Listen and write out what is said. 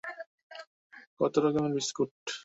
কত রকমের বিস্কুট!